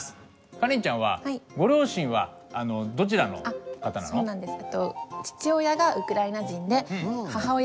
カレンちゃんはご両親はどちらの方なの？のハーフです。